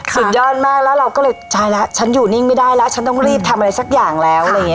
สุดยอดมากแล้วเราก็เลยใช่แล้วฉันอยู่นิ่งไม่ได้แล้วฉันต้องรีบทำอะไรสักอย่างแล้วอะไรอย่างนี้